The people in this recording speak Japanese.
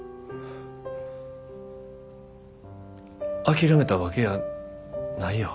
諦めたわけやないよ。